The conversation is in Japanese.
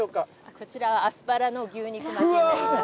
こちらは、アスパラの牛肉巻きになります。